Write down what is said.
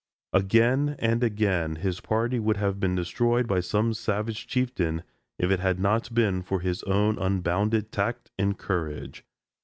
Again and again his party would have been destroyed by some savage chieftain if it had not been for his own unbounded tact and courage.